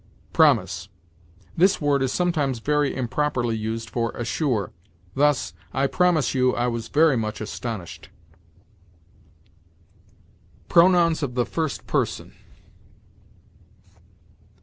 PROMISE. This word is sometimes very improperly used for assure; thus, "I promise you I was very much astonished." PRONOUNS OF THE FIRST PERSON.